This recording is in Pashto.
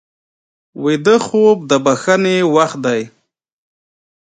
ویده خوب د بښنې وخت دی